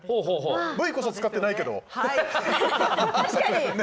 Ｖこそ使ってないけど。